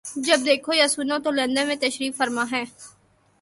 جب دیکھو یا سنو تو لندن میں تشریف فرما ہیں۔